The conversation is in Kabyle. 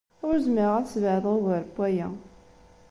Ur zmireɣ ad sbeɛdeɣ ugar n waya.